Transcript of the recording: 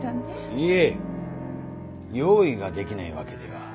いえ用意ができないわけでは。